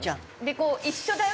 こう一緒だよ